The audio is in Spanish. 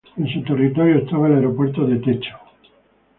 En su territorio estaba el Aeropuerto de Techo.